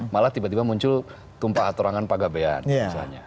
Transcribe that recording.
malah tiba tiba muncul tumpahatorangan pagabean misalnya